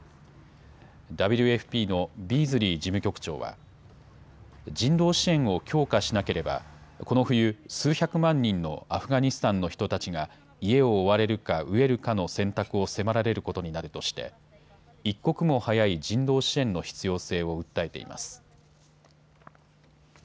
ＷＦＰのビーズリー事務局長は人道支援を強化しなければこの冬、数百万人のアフガニスタンの人たちが家を追われるか飢えるかの選択を迫られることになるとして一刻も早い人道支援の必要性を訴えています。